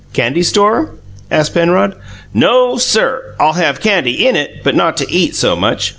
"Candy store?" asked Penrod. "NO, sir! I'll have candy in it, but not to eat, so much.